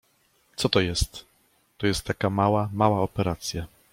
— Co to jest? — To jest taka mała, mała operacja.